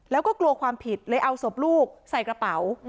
แล้วก็กลัวความผิดเลยเอาศพลูกใส่กระเป๋า